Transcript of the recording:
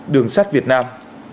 đường sắt việt nam